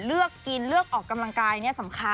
เลือกกินเลือกออกกำลังกายเนี่ยสำคัญ